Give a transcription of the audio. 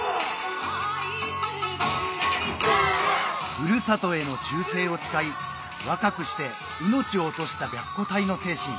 ふるさとへの忠誠を誓い若くして命を落とした白虎隊の精神